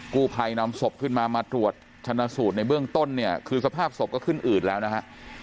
กู้ภัยนำศพขึ้นมามาตรวจชนะสูตรในเบื้องต้นเนี่ยคือสภาพศพก็ขึ้นอืดแล้วนะฮะ